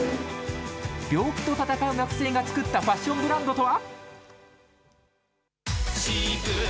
病気と闘う学生が作ったファッションブランドとは？